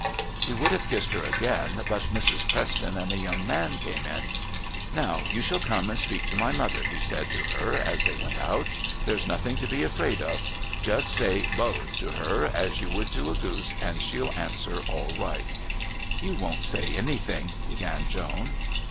He would have kissed her again, but Mrs. Preston and a young man came in. "Now you shall come and speak to my mother," he said to her as they went out. "There's nothing to be afraid of. Just say 'Bo' to her as you would to a goose, and she'll answer all right." "You won't say anything " began Joan.